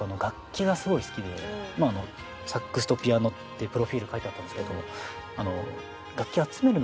まああの「サックスとピアノ」ってプロフィール書いてあったんですけど。